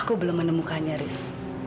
aku belum menemukannya riz